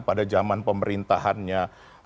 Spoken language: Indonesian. pada zaman pemerintahannya